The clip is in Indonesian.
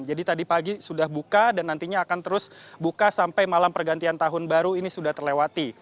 jadi tadi pagi sudah buka dan nantinya akan terus buka sampai malam pergantian tahun baru ini sudah terlewati